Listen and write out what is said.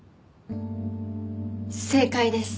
正解です。